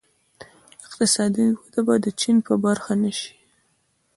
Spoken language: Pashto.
اقتصادي وده به د چین په برخه نه شي.